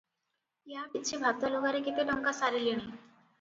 ୟା ପିଛେ ଭାତ ଲୁଗାରେ କେତେ ଟଙ୍କା ସାରିଲିଣି?